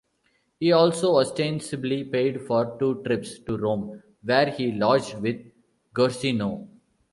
He also ostensibily paid for two trips to Rome, where he lodged with Guercino.